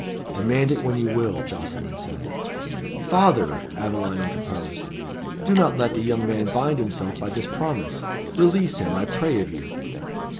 "Demand it when you will," Jocelyn said. "Father!" Aveline interposed, "do not let the young man bind himself by this promise. Release him, I pray of you."